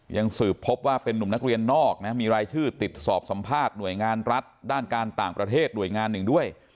ยังสืบพบว่าเป็นนุ่มนักเรียนนอกนะมีรายชื่อติดสอบสัมภาษณ์หน่วยงานรัฐด้านการต่างประเทศหน่วยงานหนึ่งด้วย